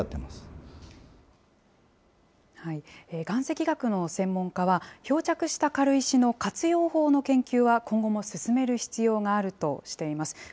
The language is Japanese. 岩石学の専門家は、漂着した軽石の活用法の研究は今後も進める必要があるとしています。